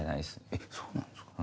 えっそうなんですか。